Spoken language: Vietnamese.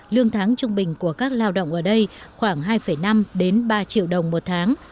lương tháng trung bình của các lao động ở đây khoảng hai năm đến ba triệu đồng một tháng